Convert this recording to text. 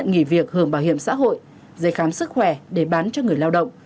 giấy chữ nhận nghỉ việc hưởng bảo hiểm xã hội giấy khám sức khỏe để bán cho người lao động